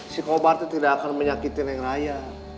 si kobar itu tidak akan menyakiti reng raya